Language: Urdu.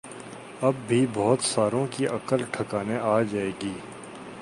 اب بھی بہت ساروں کی عقل ٹھکانے آجائے گی